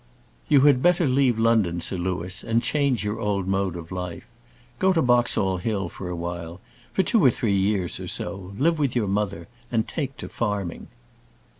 "You had better leave London, Sir Louis, and change your old mode of life. Go to Boxall Hill for a while; for two or three years or so; live with your mother there and take to farming."